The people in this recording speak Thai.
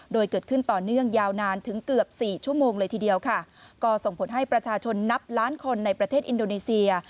โดยเกิดขึ้นต่อเนื่องยาวนานถึงเกือบสี่ชั่วโมงเลยทีเดียวค่ะก็ส่งผลให้ประชาชนนับล้านคนในประเทศอินโดนีเซีย